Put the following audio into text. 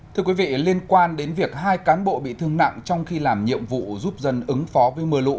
thưa quý vị liên quan đến việc hai cán bộ bị thương nặng trong khi làm nhiệm vụ giúp dân ứng phó với mưa lũ